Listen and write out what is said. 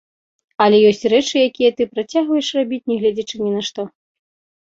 Але ёсць рэчы, якія ты працягваеш рабіць, нягледзячы ні на што.